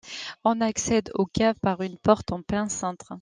On accède aux caves par une porte en plein cintre.